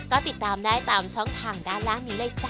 ก็ติดตามได้ตามช่องทางด้านล่างนี้เลยจ้